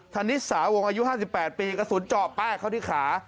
ธนิสสาวงอายุ๕๘ปีกระสุนเจาะป้ายเข้าที่ขา